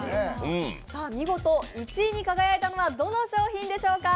見事１位に輝いたのはどの商品でしょうか。